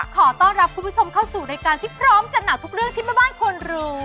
ขอต้อนรับคุณผู้ชมเข้าสู่รายการที่พร้อมจัดหนักทุกเรื่องที่แม่บ้านควรรู้